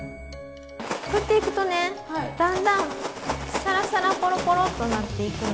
ふっていくとねだんだんサラサラコロコロッとなっていくの。